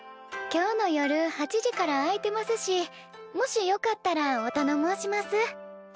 今日の夜８時から空いてますしもしよかったらおたのもうします。